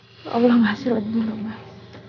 alhamdulillah ngasih lagi dulu mas